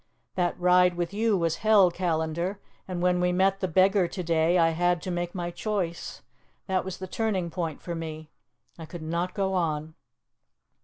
That ride with you was hell, Callandar, and when we met the beggar to day I had to make my choice. That was the turning point for me. I could not go on."